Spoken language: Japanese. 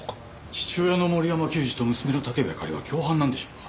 父親の森山久司と娘の武部あかりは共犯なんでしょうか？